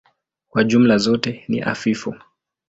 Kwa jumla zote ni hafifu.